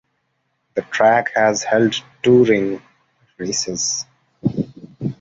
The track has held touring races.